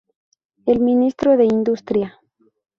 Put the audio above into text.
El ministro de Industria.